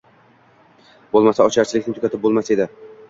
Bo‘lmasa ocharchilikni tugatib bo‘lmas edi!